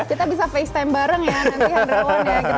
kita bisa facetime bareng ya nanti handrawan ya